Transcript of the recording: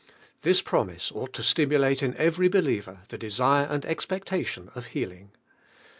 This promise ought to stimulate in every believer the desire and expectation of healing.